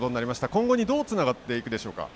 今後にどうつながっていくでしょうか？